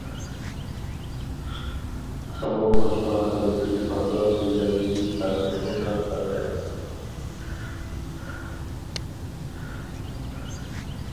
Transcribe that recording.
تېخىمۇ ئوچۇقراق قىلىپ ئېيتقاندا بۇ يەردىكى پەرق مۇتلەق پەرق ئەمەس.